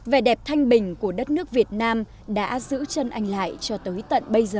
vẻ đẹp thanh bình của đất nước việt nam đã giữ chân anh lại cho tới tận bây giờ